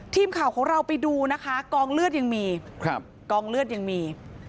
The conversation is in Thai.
ทีมข่าวของเราไปดูนะคะกองเลือดยังมี